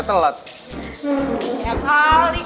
ternyata my sainsane tuh gina